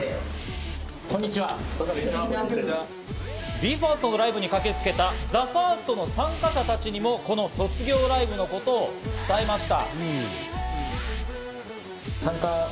ＢＥ：ＦＩＲＳＴのライブに駆けつけたＴＨＥＦＩＲＳＴの参加者たちにもこの卒業ライブのことを伝えました。